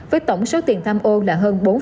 với tổng số tiền tham ô là hơn bốn bảy tỷ đồng